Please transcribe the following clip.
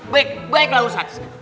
baik baiklah ustaz